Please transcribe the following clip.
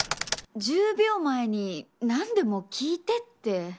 １０秒前になんでも聞いてって。